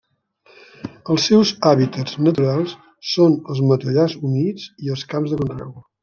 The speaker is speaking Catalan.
Els seus hàbitats naturals són els matollars humits i els camps de conreu.